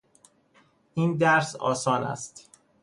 این درس آسان است.